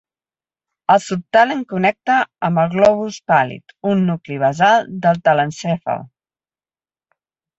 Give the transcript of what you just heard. El subtàlem connecta amb el globus pàl·lid, un nucli basal del telencèfal.